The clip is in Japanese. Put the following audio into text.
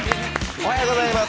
おはようございます。